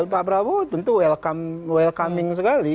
pak prabowo tentu welcoming sekali